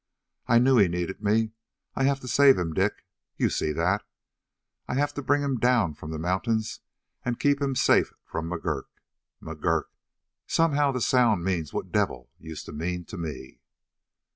"I knew he needed me. I have to save him, Dick. You see that? I have to bring him down from the mountains and keep him safe from McGurk. McGurk! Somehow the sound means what 'devil' used to mean to me."